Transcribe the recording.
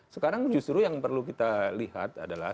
sekarang justru yang perlu kita lihat adalah